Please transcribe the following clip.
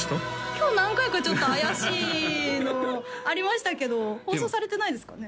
今日何回かちょっと怪しいのありましたけど放送されてないですかね？